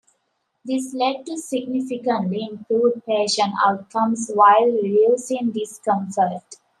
This led to significantly improved patient outcomes while reducing discomfort.